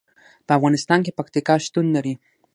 په افغانستان کې پکتیکا شتون لري.